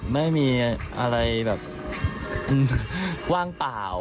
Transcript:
ไม่มีอะไรแบบว่างเปล่า